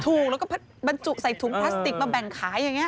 ถูกแล้วก็บรรจุใส่ถุงพลาสติกมาแบ่งขายอย่างนี้